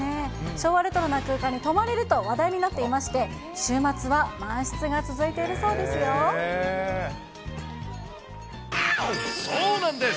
昭和レトロな空間に泊まれると話題になっていまして、週末は満室そうなんです。